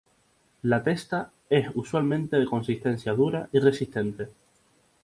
La testa es usualmente de consistencia dura y resistente.